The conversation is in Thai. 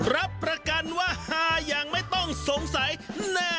รับประกันว่ายังไม่ต้องสงสัยแน่นอนแหละครับ